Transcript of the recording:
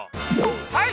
はい！